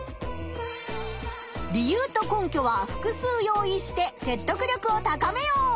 理由と根拠は複数用意してせっとく力を高めよう。